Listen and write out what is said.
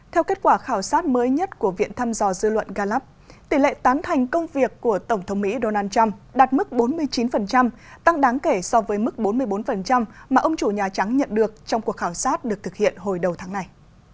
theo kết quả khảo sát mới nhất của viện thăm dò dư luận gallub tỷ lệ tán thành công việc của tổng thống mỹ donald trump đạt mức bốn mươi chín tăng đáng kể so với mức bốn mươi bốn mà ông chủ nhà trắng nhận được trong cuộc khảo sát được thực hiện hồi đầu tháng này